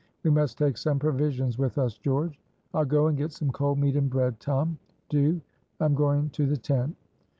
"We must take some provisions with us, George." "I'll go and get some cold meat and bread, Tom." "Do. I'm going to the tent."